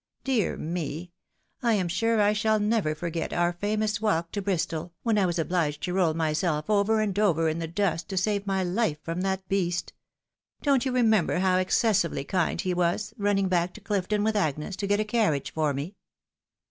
Dear me ! I am sure I shall never forget our famoiis walk to Bristol, when I was obhged to roU myself over and over in the dust, to save my Kfe from that beast. Don't you remember how excessively kind he was, running back to CMfton with Agnes, to get a carriage for me